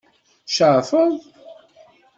Tceɛfeḍ?